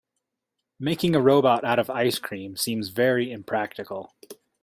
Making a robot out of ice cream seems very impractical.